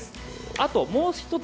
あと、もう１つ。